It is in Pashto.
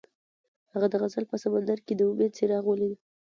هغه د غزل په سمندر کې د امید څراغ ولید.